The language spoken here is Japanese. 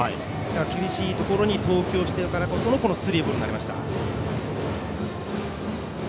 厳しいところに投球しているからこそスリーボールになりました。